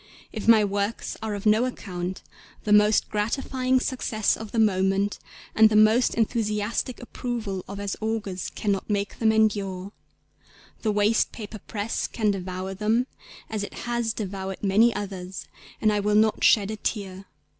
If my works are of no account, the most gratifying success of the moment and the most enthusiastic approval of as augurs cannot make them endure. The waste paper press can devour them as it has devoured many others, _and I will not shed a tear